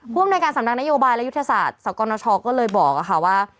อำนวยการสำนักนโยบายและยุทธศาสตร์สกนชก็เลยบอกค่ะว่า